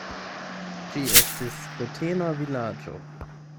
Ĝi estis rutena vilaĝo.